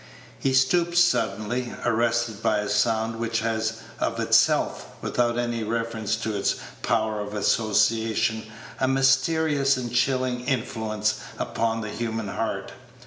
He stooped suddenly, arrested by a sound which has of itself, without any reference to its power of association, a mysterious and chilling influence upon the human heart.